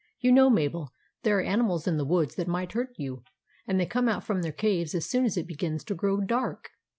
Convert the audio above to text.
You know, Mabel, there are animals in the woods that might hurt you ; and they come out from their caves as soon as it begins to grow dark."